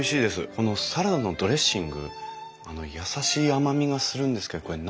このサラダのドレッシング優しい甘みがするんですけどこれ何が入ってるんですかね？